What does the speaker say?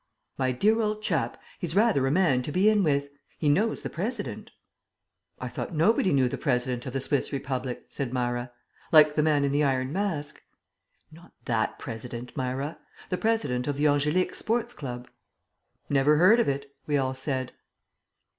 "My dear old chap, he's rather a man to be in with. He knows the President." "I thought nobody knew the President of the Swiss Republic," said Myra. "Like the Man in the Iron Mask." "Not that President, Myra. The President of the Angéliques Sports Club." "Never heard of it," we all said.